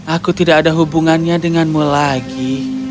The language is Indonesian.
aku tidak ada hubungannya denganmu lagi